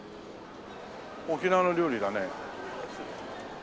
沖縄の料理だね。